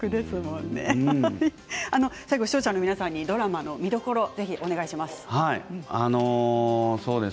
視聴者の皆さんにドラマの見どころをお願いします。